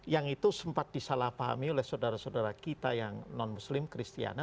yang itu sempat disalahpahami oleh saudara saudara kita yang non muslim kristiana